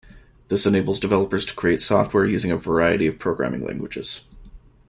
This enables developers to create software using a variety of programming languages.